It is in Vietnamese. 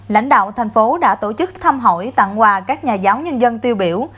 lãnh đạo thành phố đã tổ chức thăm hỏi tặng quà các nhà giáo nhân dân tiêu biểu